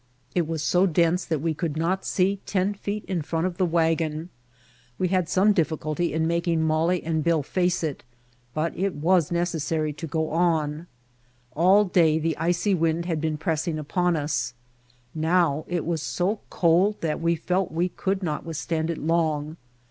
It was so dense that we could not sec ten feet in front of the wagon. We had some difficulty in making Molly and Bill face it, but it was necessary to go on. All day the icy wind had been pressing upon us, now it was so cold that we felt we could not withstand it long.